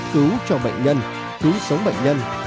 giúp cứu cho bệnh nhân cứu sống bệnh nhân